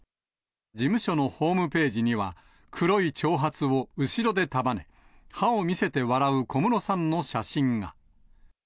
事務所のホームページには、黒い長髪を後ろで束ね、歯を見せて笑う小室さんの写真が。